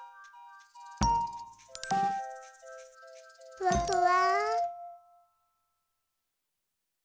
ふわふわ。